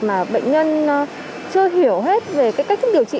mà bệnh nhân chưa hiểu hết về cách điều trị